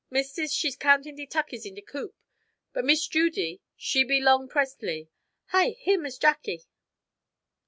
Mistis, she countin' de tuckeys in de coop, but Miss Judy, she be 'long pres'n'y. Hi! Here Miss Jacky!"